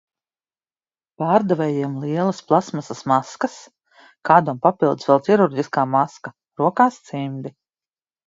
Pārdevējiem lielas plastmasas maskas, kādam papildus vēl ķirurģiskā maska, rokās cimdi.